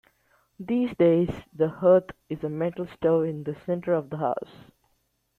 These days the hearth is a metal stove in the centre of the house.